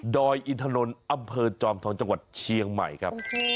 อยอินถนนอำเภอจอมทองจังหวัดเชียงใหม่ครับ